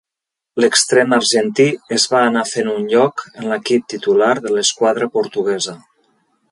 L'extrem argentí es va anar fent un lloc en l'equip titular de l'esquadra portuguesa.